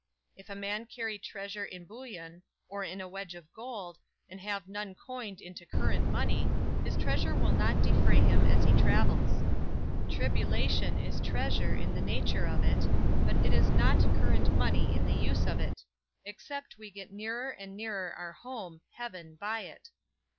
If a man carry treasure in bullion, or in a wedge of gold, and have none coined into current money, his treasure will not defray him as he travels. Tribulation is treasure in the nature of it, but it is not current money in the use of it, except we get nearer and nearer our home, heaven, by it.